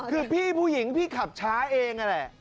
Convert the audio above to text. คือพี่ผู้หญิงพี่ขับช้าเองนั่นแหละ